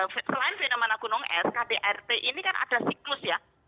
selain fenomena gunung es kdrt ini kan ada siklus ya